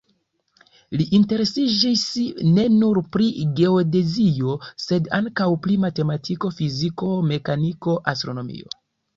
Li interesiĝis ne nur pri geodezio, sed ankaŭ pri matematiko, fiziko, mekaniko, astronomio.